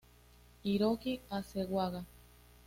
Hiroki Hasegawa